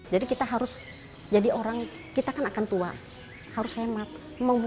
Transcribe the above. jadi kita harus jadi orang kita kan akan tua harus hemat